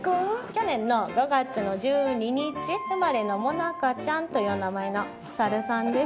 去年の５月の１２日生まれのモナカちゃんというお名前のお猿さんです。